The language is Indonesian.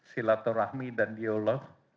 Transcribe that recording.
silaturahmi dan diolog